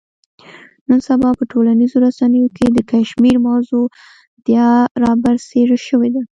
نن سبا په ټولنیزو رسنیو کې د کشمیر موضوع بیا را برسېره شوې ده.